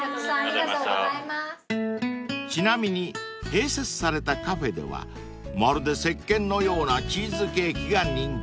［ちなみに併設されたカフェではまるでせっけんのようなチーズケーキが人気］